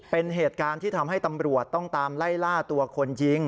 เป็นเหตุการณ์ที่ทำให้ตำรวจต้องตามไล่ล่าตัวคนยิง